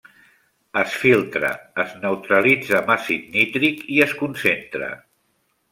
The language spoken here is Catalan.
Es filtra, es neutralitza amb àcid nítric i es concentra.